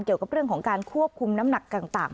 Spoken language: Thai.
เกี่ยวกับเรื่องของการควบคุมน้ำหนักต่าง